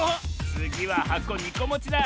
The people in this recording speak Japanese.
つぎははこ２こもちだ！